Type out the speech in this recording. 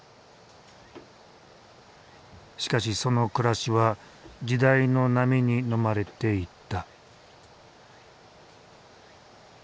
しかしその暮らしは時代の波にのまれていった。